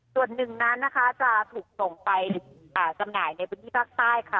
ส่วนหนึ่งนั้นนะคะจะถูกส่งไปจำหน่ายในพื้นที่ภาคใต้ค่ะ